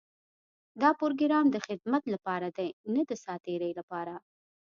دا پروګرام د خدمت لپاره دی، نۀ د ساعتېري لپاره.